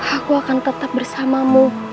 aku akan tetap bersamamu